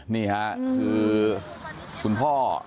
นี่ค่ะคือคุณพ่อ